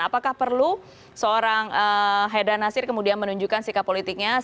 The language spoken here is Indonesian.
apakah perlu seorang haidar nasir kemudian menunjukkan sikap politiknya